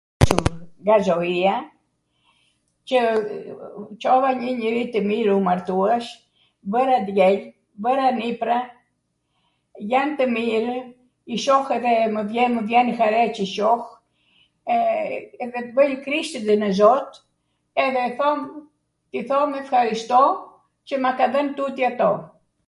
...nga zoia, qw Cova njw njeri tw mirw, u martuash, bwra djwlm, bwra nipra, jan tw mirw, i shoh edhe mw vjen hare qw shoh, edhe bwj krishtinw [kriqinw] nw zot edhe thom, i thom efharisto qw ma ka dhwn tuti ato.